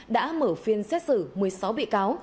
đã mở phiên xét xử một mươi sáu bị cáo